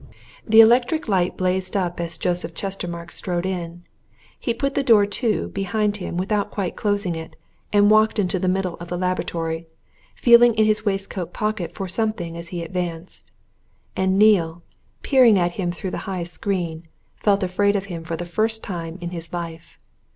The electric light blazed up as Joseph Chestermarke strode in. He put the door to behind him without quite closing it, and walked into the middle of the laboratory, feeling in his waistcoat pocket for something as he advanced. And Neale, peering at him through the high screen, felt afraid of him for the first time in his life.